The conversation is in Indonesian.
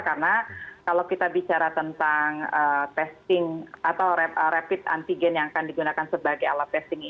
karena kalau kita bicara tentang testing atau rapid antigen yang akan digunakan sebagai alat testing ini